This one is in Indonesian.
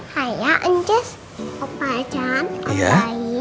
hai ancus opacan opayi